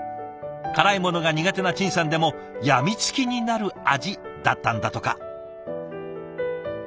辛いものが苦手な陳さんでも病みつきになる味だったんだとか。